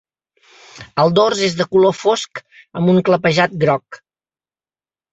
El dors és de color fosc amb un clapejat groc.